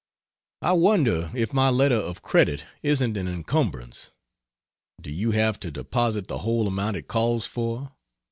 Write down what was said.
I wonder if my letter of credit isn't an encumbrance? Do you have to deposit the whole amount it calls for?